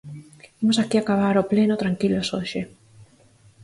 Imos aquí acabar o pleno tranquilos hoxe.